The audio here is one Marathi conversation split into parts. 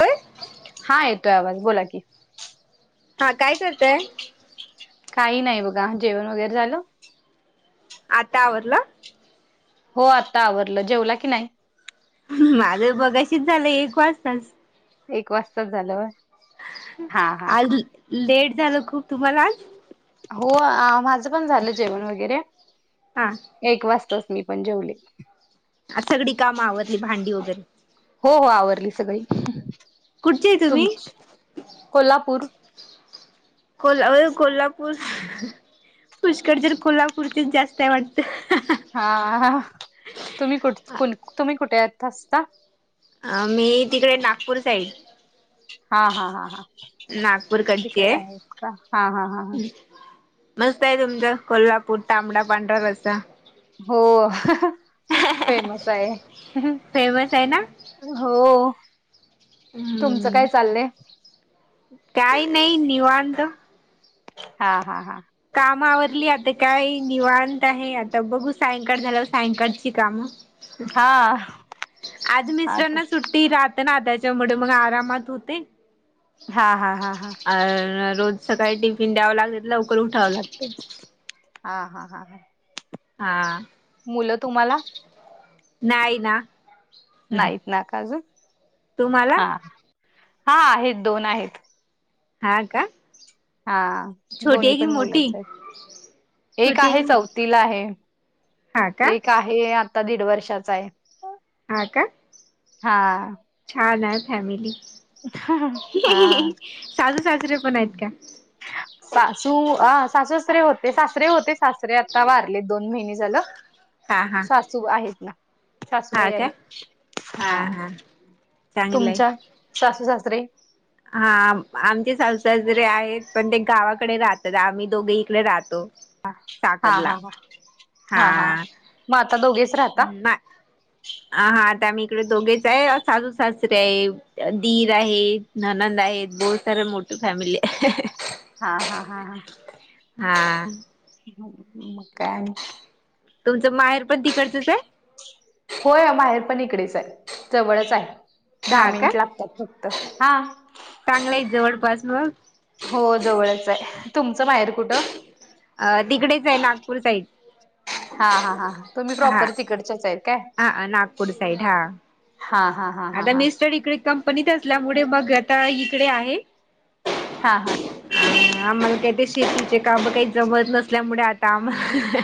होय हा येतोय आवाज बोला की. हा काय करताय. काही नाही बघा जेवण वगैरे झालं. आता आवरल. हो आत्ता आवरलं जेवला की नाही. माझ बघाशीच झालंय एक वाजतास. एक वाजताच झालं होय. हा हा आज लेट झालं खूप तुम्हाला आज. हो आ माझं पण झालं जेवण वगैरे. हा एक वाजताच मी पण जेवले. सगळी कामं आवडली भांडी वगैरे. हो हो, आवरली सगळी कुठचे आहे तुम्ही तुमची कोल्हापूर. कोल होय कोल्हापूर. पुष्कळ जर कोल्हापूरची जास्त आहे वाटत. हा तुम्ही कुठ तुम्ही कुठे येत असता. मी तिकडे नागपूर साईड. हा हा हा हा, नागपूरकडची तिकडे आहे आहेत का हा हा हा, मस्त आहे तुमचा कोल्हापूर तांबडा पांढरा रस्ता. हो फेमस आहे. फेमस आहे ना हो तुमचं काय चाललंय. काही नाही निवांत. हा हा हा, कामावरली आता काय निवांत आहे आता बघू सायंकाळ झाल्यावर सायंकाळची कामं. हा, आधी आता मिस्रांना सुट्टी राहते ना त्याच्यामुळे मग आरामात होते. हा हा हा हा, अ रोज सकाळी टिफिन द्यावं लागत लवकर उठावं लागत. हा हा हा हा, हा, मुलं तुम्हाला. नाही ना. नाहीत ना का ग तुम्हाला हा हा आहेत दोन आहेत. हा का. हा छोटी दोन्ही आहे की पण मोठी? मुलच आहेत. एक छोटी आहे की चौथीला आहे हा का एक आहे आ''--'' आता दीड वर्षाचा आहे. हा का. हा, छान आहे फॅमिली सासू सासरे पण आहेत का. सासू आ सासु-सासरे होते सासरे होते सासरे आ''--'' ता वारले दोन महिने झालं हा हा सासू आहेत ना. हा सासूबाई का आहेत हा चांगलंय. तुमच्या सासू सासरे हा आमचे सासू सासरे जे आहेत पण ते गावाकडे राहतात आम्ही दोघे इकडे राहतो हा हा साकरला हा हा हा मात दोघे हा आता मही इकडे दोघेच आहे साासू सासरे आहे दीर आहेत ननंद आहेत बहुत सारे मोठी फॅमिली आहे हा हा हा हा हा म काय तुमचं माहेर पण तिकडचंच आहे होय माहेर पण इकडेच आहे जवळच आहे दहा हा का मिनिट लागतात फक्त हा चांगलं आहे जवळपास मग हो जवळच आहे तुमचं माहेर कुठं अ तिकडेच आहे नागपूर साईड हा हा हा हा तुम्ही हा प्रॉपर तिकडच्याच आहे काय हा नागपूर साईड हा हा हा हा ह आता हा मिस्टर इकडे कंपनीत असल्यामुळे मग आता इकडे आहे हा हा आम्हाला काही ते शेतीचे काम काही जमत नसल्यामुळे आता आम्हाला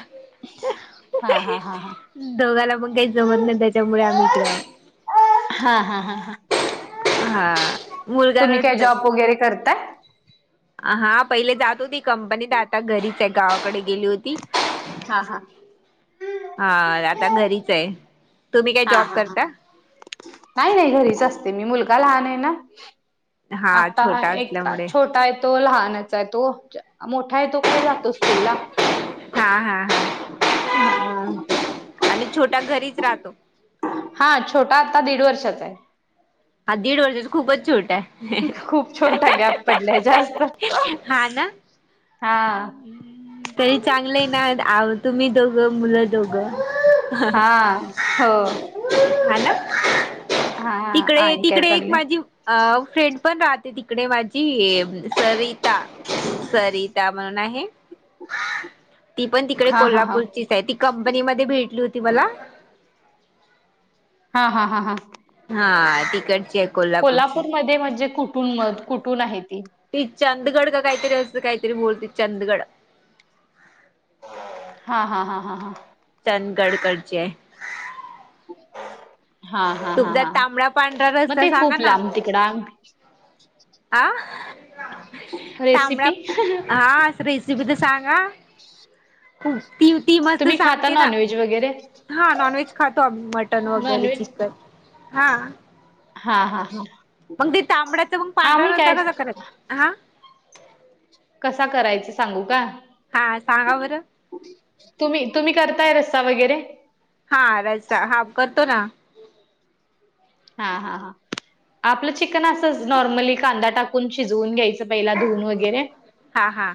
हा हा हा हा. दोघांला मग काही जमत नाही त्याच्यामुळे आम्ही इकडे हा ह हा मुलगा तुम्ही काय रडतोय. जॉब वगैरे करता हा पहिले जात होती कंपनीत आता घरीच आहे गावाकडे गेली होती हा हा हा आता घरीच आहे तुम्ही काय हा जॉब ह करता? नाही नाही घरीच असते मी मुलगा लहान आहे ना हा आता छोटा एक असल्यामुळे छोटा तो लहानच आहे तो मोठा आहे तो काय जातो स्कूल ला हा हा आणि छोट्या घरीच राहतो हा छोटा आता दीड वर्षाचा आहे हा दीड वर्षाच खूपच छोट आहे खूप छोटा गॅप पडलाय जास्त हा ना हा तरी चांगलं ना तुम्ही दोघं मुलं दोघं ह हा हो आला हा तिकडे आणि काय तिकडे एक चाललंय माझी अ फ्रेंड पण राहते तिकडे माझी सरिता सरिता म्हण ती पण तिकडे हा हा हा कोल्हापूर ती कंपनी मध्ये भेटली होती मला हा हा हा हा हा तिकडची आहे कोल्हापूरची कोल्हापूरमध्येध्ये म्हणजे कुठून म कुठून आहे ती ती चंदगड का काहीतरी असत काहीतरी बोलते चंदगड हा हा हा हा हा चंदगडकडचे आहे हा हा हा तुमचा हा तांबडा पांढरा मग रस्ता ते सांगा खूप लांब तिकडा आं? तांबडा रेसिपी हां. रेसिपी तर सांगा. खूप ती ती मस्त तुम्ही खाता सांगते ना. नॉनव्हेज वगैरे हा. नॉनव्हेज खातो आम्ही. मटन वगैरे नॉनव्हेज चिकन हा. हा हा हा. मग ते तांबड्याचं मग पांढरा आम्ही रस्सा काय कसा करायचा? हा? कसा करायचा सांगू का? हा. सांगा बरं. तुम्ही, तुम्ही करताय रस्सा वगैरे? हा. रस्सा हा करतो ना. हा हा हा. आपलं चिकन असंच नॉर्मली कांदा टाकून शिजवून घ्यायचं. पहिला धुवून वगैरे. हा हा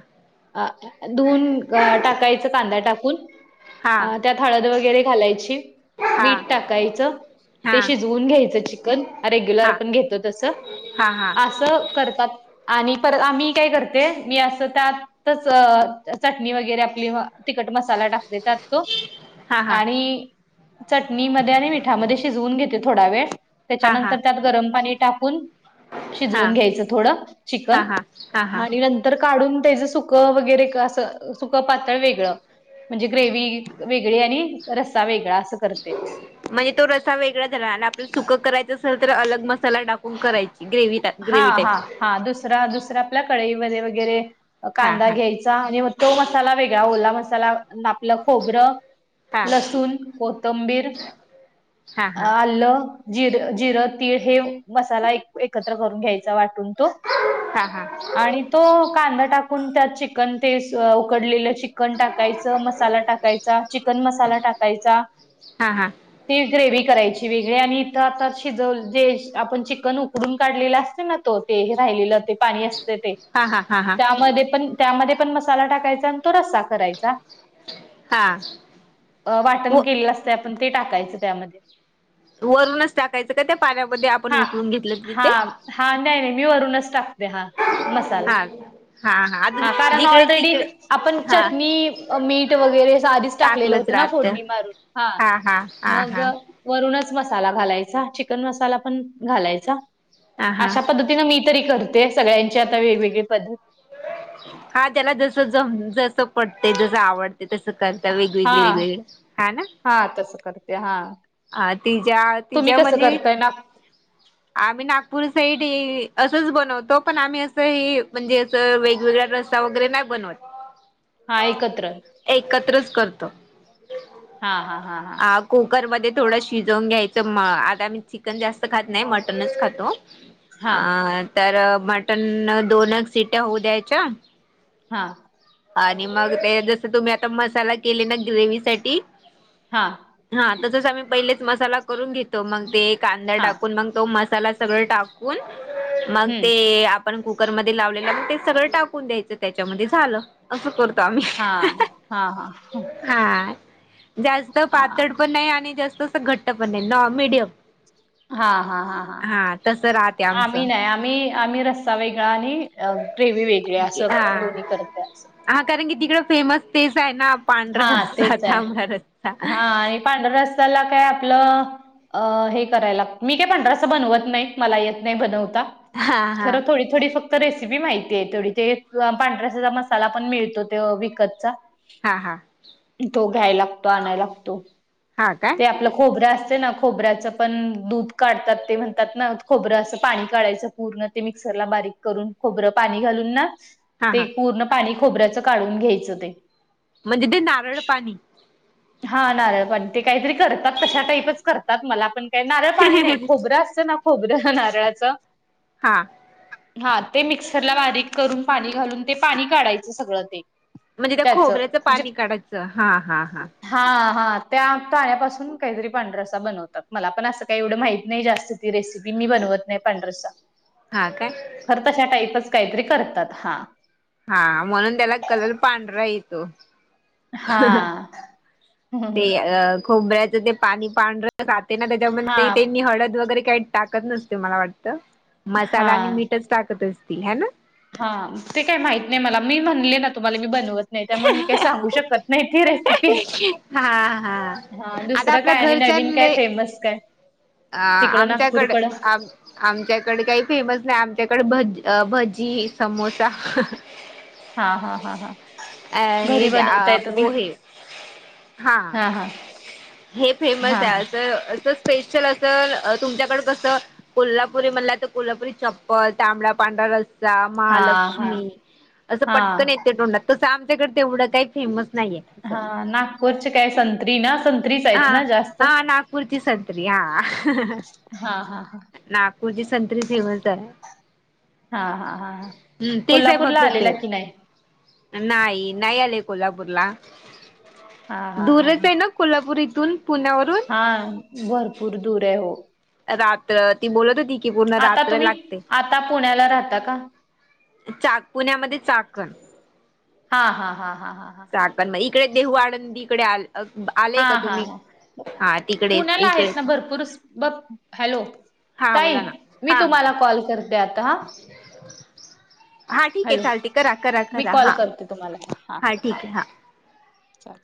अ. धुवून टाकायचं कांदा टाकून. हा अं त्यात- हळद वगैरे घालायची. हा मीठ हा टाकायचं. ते हा शिजवून घ्यायचं- चिकन. रेग्युलर हा आपण घेतो तस. हा हा अस करतात. आणि परत. आ मी काय करते? मी असं त्यातच चटणी वगैरे आपली म - तिखट मसाला टाकते त्यात तो. हा हा आणि- चटणीमध्ये आणि मिठामध्ये शिजवून घेते थोडा वेळ. हा हा त्याच्यानंतर त्यात गरम पाणी टाकून- शिजवून घ्यायचं थोडं चिकन हा हा हा हा आणि- तर काढून त्याच सुकं वगैरे अस सुक पा- वेगळ म्हणजे ग्रेव्ही वेगळी आणि रस्सा वेगळा असं करते. म्हणजे तो रस्सा वेगळा झाला. आणि आपल्याला सुकं करायचं असेल तर अलग मसाला टाकून करायची ग्रेव्ही टाइ - हा हा हा. दुसरा दुसरा आपल्या कढईमध्ये वगैरे- हा कांदा हा घ्यायचा म्हणजे म तो मसाला वेगळा ओला मसाला आपलं खोबरं- हा लसूण, कोथंबीर हा आल- जिर जिरं, तीळ हे मसाला एक एकत्र करून घ्यायचा वाटून. हा हा हा आणि तो कांदा टाकून त्यात चिकन ते उकडलेल चि- -कन टाकायच. मसाला टाकायचा. चिकन मसाला टाकायचा. हा हा ती ग्रेव्ही करायची वेगळी. आणि इथं आता शिजव जे आपण चिकन उ- -कडून काढलेला असते ना तो? ते राहिलेलं ते पाणी असते ते. हा हा हा हा त्यामध्ये पण- त्यामध्ये पण मसाला टाकायचा आणि तो रस्सा करायचा. हा अ व वाटण केलेलं असतय आपण ते टाकायचं त्यामध्ये. वरूनच टाकायचं का त्या पाण्यामध्ये? आपण हा उकळून घेतलेल- हा. हा नाही नाही. मी वरूनच टाकते हा मसाला. हा हा हा. अजून हा. कारण जिकडे ऑलरेडी तिकडे आपण हा चटणी, मीठ वगैरे आधी- टाकलेलं टाकलंच होत ना राहत फोडणी मारून? हा. मग- वरूनच मसाला घालायचा. चिकन मसाला पण घालायचा. हा हा अशा पद्धतीनं मी तरी करते. सगळ्यांची आता वेगवेगळी पद्धत. हा. त्याला जस जम जस पटतय जस आवड- ते तसं करता वेग वेगळी वेग हा. वेगळी हा ना? हा तसं करते. हा. ह. तिच्या तुम्ही तिच्या कसं मधी करताय ना? - आम्ही नागपूर साईड असंच बनवतो. पण आम्ही असं हे म्हणजे- वेगवेगळा रस्सा वगैरे नाही बनवत. हा एकत्र. एकत्रच करतो हा हा हा हा. आ कुकरमध्ये थोडं शिजवून घ्यायचं म आता आम्ही चिकन जास्त खात नाही मटनच खातो. हा अ तर मटन दोन सिट्या होऊ द्यायच्या हा. आणि मग ते जसं तुम्ही आता मसाला केले ना ग्रेविसाठी हा. हा तस आम्ही पहिलेच मसाला करून घेतो मग ते कांदा हा. टाकून मग तो मसाला सगळे टाकून मग हम्म. ते आपण कुकरमध्ये लावलेलं म ते सगळं टाकून द्यायचं त्याच्यामध्ये झालं असं करतो आम्ही. हा, हा, हा. हा जास्त पातळ हा पण नाही आणि जास्त अस घट्ट पण नाही नॉ मिडियम हा, हा, हा, हा, ह तसं राहते आम्ही आमचं नाही, आम्ही आम्ही रस्सा वेगळा आणि ग्रेवी वेगळी असं हा दोन्ही करते अस. हा कारण कि तिकडं फेमस तेच आहे ना पांढर हा रस्सा, तेच आहे तांबडा रस्सा हा आणि पांढरा रस त्याला काय आपलं अ हे करायला मी काय पांढरा रस्सा बनवत नाही मला येत नाही बनवता हा हा खर थोडी थोडी फक्त रेसिपी माहितीय थोडी ते पांढऱ्यासाचा मसाला पण मिळतो ते विकतचा हा हा. तो घ्याय लागतो आणायला लागतो हा काय ते आपलं खोबरं असतेना. खोबऱ्याचं पण दूध काढतात ते म्हणतात ना खोबरं असं पाणी काढायचं पूर्ण ते मिक्सरला बारीक करून खोबरं पाणी घालून ना हा ते हा पूर्ण पाणी खोबऱ्याचं काढून घ्यायचं ते. म्हणजे ते नारळ पाणी. हा नारळ पण ते काहीतरी करतात तशा टाईपच करतात मला पण का नारळ पाणी नाही खोबरं असतं ना खोबरं नारळाच हा. हा ते मिक्सरला बारीक करून पाणी घालून ते पाणी काढायचं सगळं ते. म्हणजे त्या त्याचं खोबऱ्याचं म्हणजे पाणी काढायचं हा, हा, हा. हा, हा त्या आण्यापासून काहीतरी पांढरसा बनवतात मला पण असं काही एवढ माहत नाही जास्त ती रेसिपी मी बनवत नाही पांढरसा. हा काय. खरं तशा टाईपच काहीतरी करतात हा. हा म्हणून त्याला कलर पांढरा येतो. हा.. ते हम्म. खोबऱ्याचं ते पाणी पांढरं जाते ना हा त्याच्यामध्ये त्यांनी हळद वगैरे काही टाकत नसते मला वाटत हा मसाला आणि मीठच टाकत असते हाय ना? हा ते काय माहित नाही मला मी म्हणले ना तुम्हाला मी बनवत नाही त्यामुळे मी काही सांगू शकत नाही ती रेसिपी. हा, हा आता आपल्या घरच्यानले बस काय. अ तिकडं आमच्याकडे नागपूरकडं आम आमच्याकडे काही फेमस नाही आमच्याकडे भजी, भजी, समोसा हा हा हा हा अ हे घरी अ बनवताय तुम्ही पोहे. हा, हे फेमस हा आहे अस, अस स्पेशल तुमच्याकड कस कोल्हापुरी म्हणला तर कोल्हापुरी चप्पल तांबडा पांढरा रसा हा हा महालक्ष्मी असं हा पटकन येते तोंडात तसं आमच्याकडे तेवढं काय. हा नागपूरचे काय संत्री संत्री ना संत्रीच आहे हा ना जास्त हा नागपूरची संत्री हा हा हा. नागपूरची संत्री फेमस आहे. हा हा हा हम्म तेच आहे कोल्हापूरला फक्त आलेला ते की नाही. नाही नाही आले कोल्हापूरला हा हा हा दूरच हा आहे ना. कोल्हापूर इथून पुण्यावरून हा भरपूर दूर आहे हो. रात्र ती बोलत होती की पूर्ण आता रात्र तुम्ही लागते. आता पुण्याला राहता का. चा पुण्यामध्ये चाकण हा हा हा हा हा हा. चाक पण मग इकडे देऊू आळंदी इकडे आ हा आलेय का हा तुम्ही ह हा तिकडे पुण्याला इकडे आहेत ना भरपूर हॅलो. हा ताई बोला ना मी हा तुम्हाला कॉल करते आता हा. हा ठीक आहे हॅलो चालते करा करा मी करा कॉल हा. करते तुम्हाला हा ठीक आहे हा. चालेल.